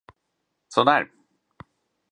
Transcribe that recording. Så där!